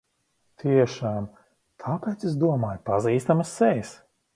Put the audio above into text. Tiešām! Tāpēc es domāju pazīstamas sejas.